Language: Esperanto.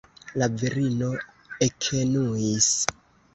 La virino ekenuis.